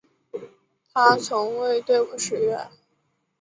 他从未对我失约